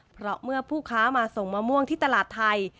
เพราะเมื่อผู้ค้ามาส่งมะม่วงที่ตลาดไทย